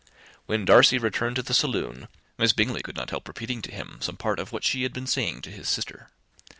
When Darcy returned to the saloon, Miss Bingley could not help repeating to him some part of what she had been saying to his sister.